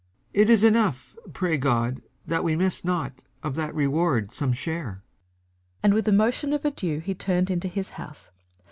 "It is enough. Pray God that we miss not of that reward some share," and with a motion of adieu he turned into his house.